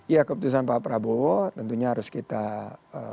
iya keputusan pak prabowo tentunya harus kita ee